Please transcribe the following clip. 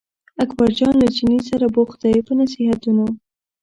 اکبرجان له چیني سره بوخت دی په نصیحتونو.